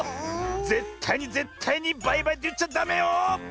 ぜったいにぜったいにバイバイっていっちゃダメよ。